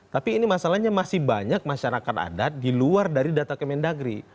tapi ini masalahnya masih banyak masyarakat adat di luar dari data kemendagri